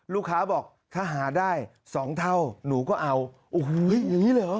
ลูกค้าบอกถ้าหาได้๒เท่าหนูก็เอาโอ้โหอย่างนี้เลยเหรอ